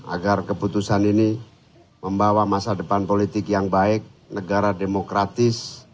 agar keputusan ini membawa masa depan politik yang baik negara demokratis